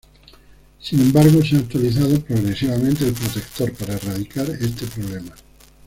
Sin embargo, se ha actualizado progresivamente el protector para erradicar este problema.